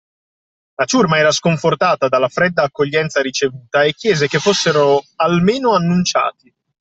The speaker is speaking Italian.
La ciurma era sconfortata dalla fredda accoglienza ricevuta e chiese che fossero almeno annunciati